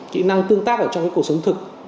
kỹ năng tương tác ở trong cuộc sống thực